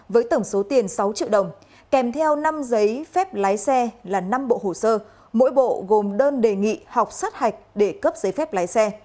với tổng số tiền sáu triệu đồng kèm theo năm giấy phép lái xe là năm bộ hồ sơ mỗi bộ gồm đơn đề nghị học sát hạch để cấp giấy phép lái xe